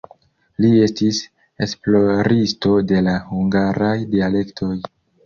Li estis esploristo de la hungaraj dialektoj.